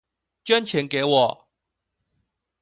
捐錢給我